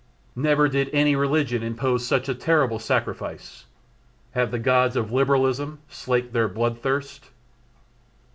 Never did any religion impose such a terrible sacrifice. Have the gods of Liberalism slaked their blood thirst?